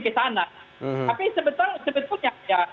ke sana tapi sebetulnya